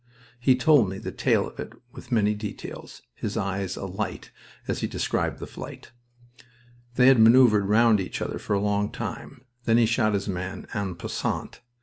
He told me the tale of it with many details, his eyes alight as he described the fight. They had maneuvered round each other for a long time. Then he shot his man en passant.